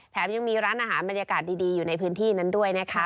แถมยังมีร้านอาหารบรรยากาศดีอยู่ในพื้นที่นั้นด้วยนะคะ